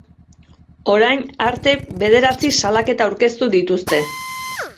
Orain arte bederatzi salaketa aurkeztu dituzte.